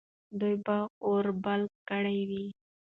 دوی به اور بل کړی وي.